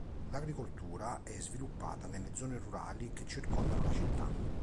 L'agricoltura è sviluppata nelle zone rurali che circondano la città.